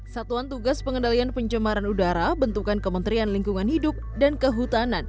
satuan tugas pengendalian pencemaran udara bentukan kementerian lingkungan hidup dan kehutanan